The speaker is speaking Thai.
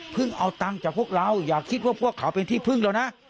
เอาตังค์จากพวกเราอย่าคิดว่าพวกเขาเป็นที่พึ่งเรานะ